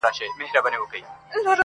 دلته ولور گټمه,